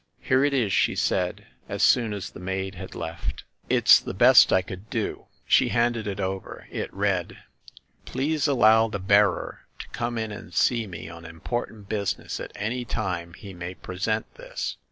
"Here it is," she said, as soon as the maid had left. 262 THE MASTER OF MYSTERIES "It's the best I could do." She handed it over. It read: "Please allow the bearer to come in and see me on important business at any time he may present this.